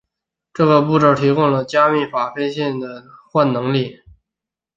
这个步骤提供了加密法非线性的变换能力。